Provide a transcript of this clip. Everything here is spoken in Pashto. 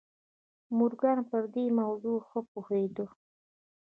مورګان پر دې موضوع ښه پوهېده.